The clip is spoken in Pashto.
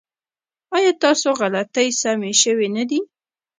ایا ستاسو غلطۍ سمې شوې نه دي؟